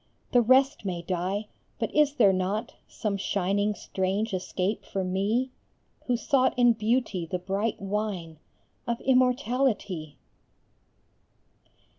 The rest may die but is there not Some shining strange escape for me Who sought in Beauty the bright wine Of immortality?